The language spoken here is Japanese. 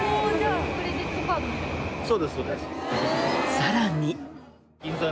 さらに。